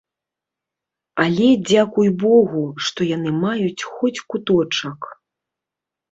Але дзякуй богу, што яны маюць хоць куточак.